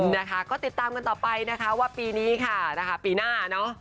นะคะก็ติดตามกันต่อไปนะคะว่าปีนี้ค่ะนะคะปีหน้าเนอะ